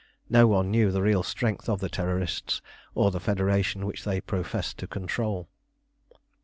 No one knew the real strength of the Terrorists, or the Federation which they professed to control.